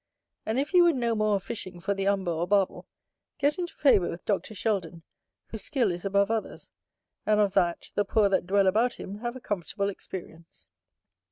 And if you would know more of fishing for the Umber or Barbel, get into favour with Dr. Sheldon, whose skill is above others; and of that, the poor that dwell about him have a comfortable experience.